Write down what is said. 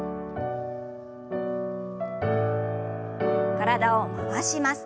体を回します。